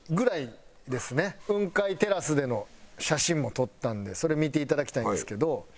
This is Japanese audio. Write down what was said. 雲海テラスでの写真も撮ったんでそれ見ていただきたいんですけど。